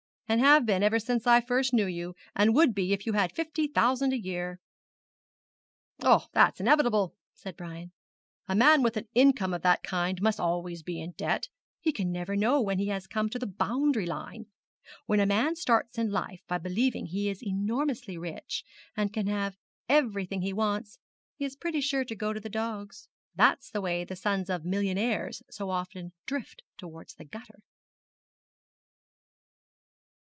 'And have been ever since I first knew you, and would be if you had fifty thousand a year!' 'Oh, that's inevitable,' said Brian. 'A man with an income of that kind must always be in debt. He never can know when he comes to the boundary line. When a man starts in life by believing he is enormously rich, and can have everything he wants, he is pretty sure to go to the dogs. That's the way the sons of millionaires so often drift towards the gutter.'